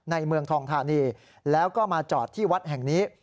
เมืองทองธานีแล้วก็มาจอดที่วัดแห่งนี้